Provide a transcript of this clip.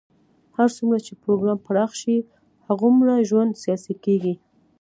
هر څومره چې پروګرام پراخ شي، هغومره ژوند سیاسي کېږي.